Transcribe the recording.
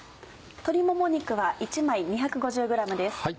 鶏もも肉は１枚２５０ｇです。